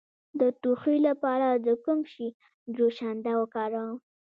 د ټوخي لپاره د کوم شي جوشانده وکاروم؟